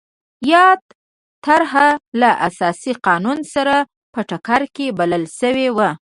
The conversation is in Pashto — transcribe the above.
یاده طرحه له اساسي قانون سره په ټکر کې بلل شوې وه.